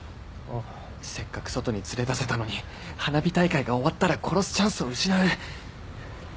せっかく外に連れ出せたのに花火大会が終わったら殺すチャンスを失う